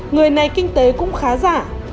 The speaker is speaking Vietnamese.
người này kinh tế cũng khá giả